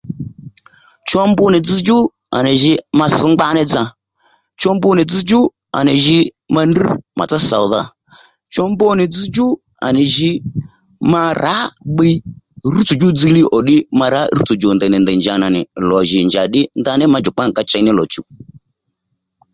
Cho mbu nì dzzdjú à nì jǐ ma sš ngbá ní dza cho mbu nì dzzdjú à nì jǐ ma drr màtsá sòdha cho mbu nì dzzdjú à nì jǐ ma rǎ bbiy rútsò djú dziylíy ò ddí ma rǎ rútsò djò ndèy njǎ nà nì lò jì ddí ma njǎ ma djukpa nga ká chěy ní lò chùw